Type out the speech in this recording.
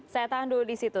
saya tahan dulu di situ